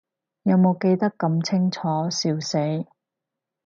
有無記得咁清楚，笑死